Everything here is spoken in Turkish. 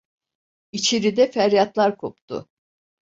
İçeride feryatlar koptu…